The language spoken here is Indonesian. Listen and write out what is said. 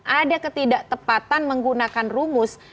ada ketidaktepatan menggunakan rumus